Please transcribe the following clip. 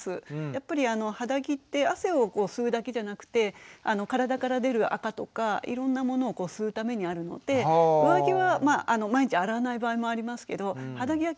やっぱり肌着って汗を吸うだけじゃなくて体から出るあかとかいろんなものを吸うためにあるので上着は毎日洗わない場合もありますけど肌着は